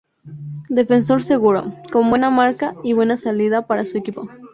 Defensor seguro, con buena marca y buena salida para su equipo.